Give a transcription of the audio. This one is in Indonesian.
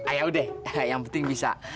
ayodeh yang penting bisa